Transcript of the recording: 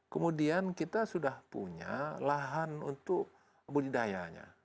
kemudian kita sudah punya lahan untuk budidayanya